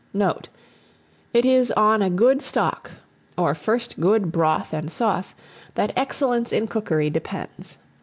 Note. It is on a good stock, or first good broth and sauce, that excellence in cookery depends.